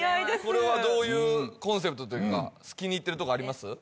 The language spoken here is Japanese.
これはどういうコンセプトというか気に入ってるとこあります？